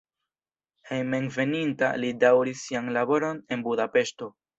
Hejmenveninta li daŭris sian laboron en Budapeŝto.